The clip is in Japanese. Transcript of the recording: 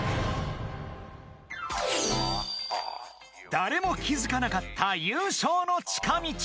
［誰も気付かなかった優勝の近道］